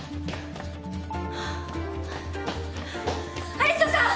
有沙さん！